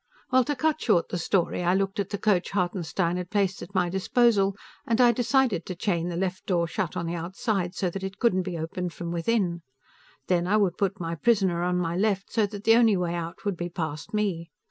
Well, to cut short the story, I looked at the coach Hartenstein had placed at my disposal, and I decided to chain the left door shut on the outside, so that it couldn't be opened from within. Then, I would put my prisoner on my left, so that the only way out would be past me.